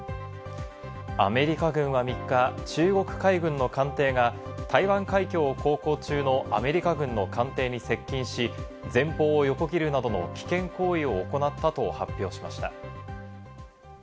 アメリカ軍は３日、中国海軍の艦艇が台湾海峡を航行中のアメリカ軍の艦艇に接近し、前方を横切るなどの危険行為を行ったと発表しました。